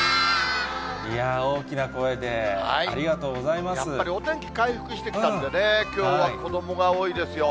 いやー、大きな声で、ありがやっぱり天気回復してきたんでね、きょうは子どもが多いですよ。